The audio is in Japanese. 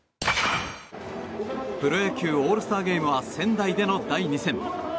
プロ野球オールスターゲームは仙台での第２戦。